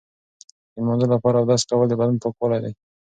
د لمانځه لپاره اودس کول د بدن پاکوالی دی.